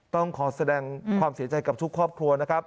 ต้องขอแสดงความเสียใจกับทุกครอบครัวนะครับ